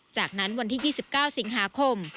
จากนั้นวันที่๒๙สิงหาคม